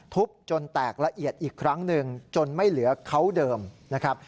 จนแตกละเอียดอีกครั้งหนึ่งจนไม่เหลือเขาเดิมนะครับ